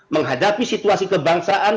menghadapi situasi kebangsaan